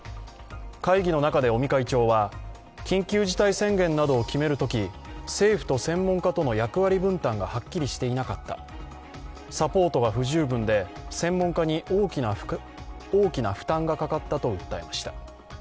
会議の中で尾身会長は、緊急事態宣言などを決めるとき政府と専門家との役割分担がはっきりしていなかった、サポートが不十分で専門家に大きな負担がかかったと訴えました。